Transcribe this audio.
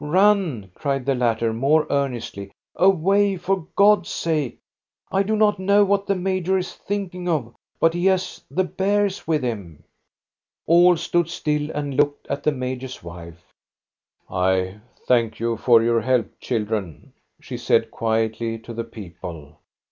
" Run !" cried the latter, more earnestly. " Away, for God's sake ! I do not know what the major is thinking of, but he has the bears with him." All stood still and looked at the major's wife. " I thank you for your help, children," she said quietly to the people.